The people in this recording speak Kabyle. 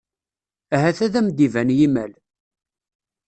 Ahat ad am-iban yimal.